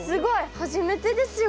初めてですよ。